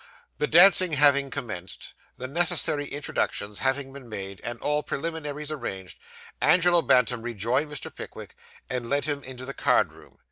The dancing having commenced, the necessary introductions having been made, and all preliminaries arranged, Angelo Bantam rejoined Mr. Pickwick, and led him into the card room.